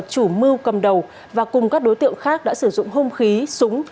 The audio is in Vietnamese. chủ mưu cầm đầu và cùng các đối tượng khác đã sử dụng hông khí súng